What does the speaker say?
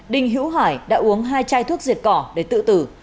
đinh hữu hải đã uống hai chai thuốc diệt cỏ để tự tử